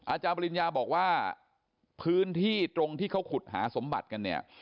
อาจารย์ปริญญาบอกว่าพื้นที่ตรงที่เขาขุดหาสมบัติกันเนี่ย